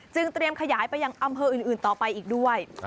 เตรียมขยายไปยังอำเภออื่นต่อไปอีกด้วย